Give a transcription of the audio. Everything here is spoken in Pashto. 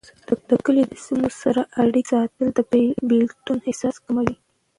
د کلي د سیمو سره اړيکې ساتل، د بیلتون احساس کموي.